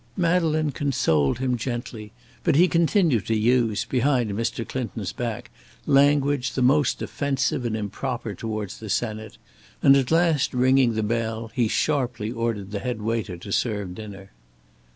Madeleine consoled him gently, but he continued to use, behind Mr. Clinton's back, language the most offensive and improper towards the Senate, and at last, ringing the bell, he sharply ordered the head waiter to serve dinner.